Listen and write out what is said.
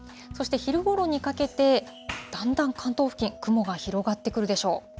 そして昼ごろにかけて、だんだん関東付近、雲が広がってくるでしょう。